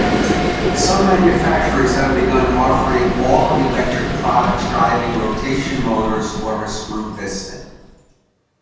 Some manufacturers have begun offering all-electric products driving rotation motors or a screw piston.